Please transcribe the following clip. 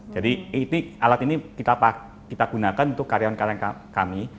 jadi alat ini kita gunakan untuk karyawan karyawan kami